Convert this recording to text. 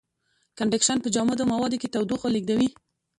کنډکشن په جامدو موادو کې تودوخه لېږدوي.